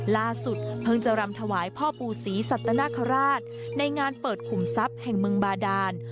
ล่าสุดเพิ่งจะรำถวายพ่อปู่ศรีสัตนคราชในงานเปิดขุมทรัพย์แห่งเมืองบาดาน